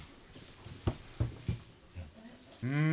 うん。